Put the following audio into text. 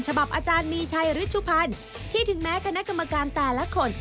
อาจารย์มีชัยฤชุพันธ์ที่ถึงแม้คณะกรรมการแต่ละคน